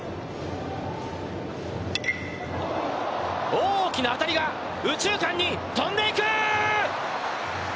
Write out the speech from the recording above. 大きな当たりが右中間に飛んでいく！